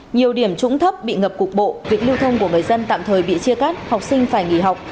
nhiều điểm trũng thấp bị ngập cục bộ việc lưu thông của người dân tạm thời bị chia cắt học sinh phải nghỉ học